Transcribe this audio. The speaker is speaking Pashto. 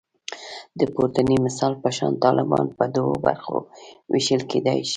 د پورتني مثال په شان طالبان په دوو برخو ویشل کېدای شي